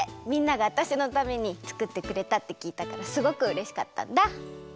みんながわたしのためにつくってくれたってきいたからすごくうれしかったんだ。